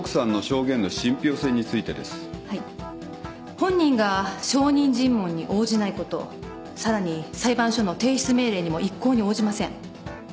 本人が証人尋問に応じないことさらに裁判所の提出命令にも一向に応じません。